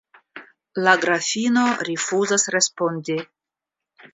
La Grafino rifuzas respondi.